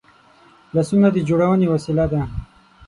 لاسونه د جوړونې وسیله ده